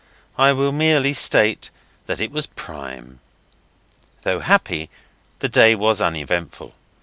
I will merely state that it was prime. Though happy, the day was uneventful.